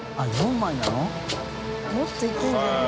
もっといくんじゃない？